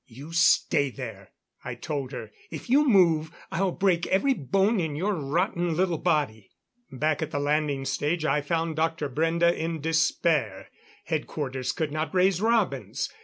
"You stay there," I told her. "If you move, I'll break every bone in your rotten little body." Back at the landing stage I found Dr. Brende in despair. Headquarters could not raise Robins.